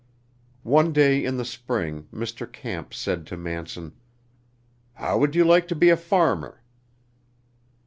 One day in the spring Mr. Camp said to Manson: "How would you like to be a farmer?"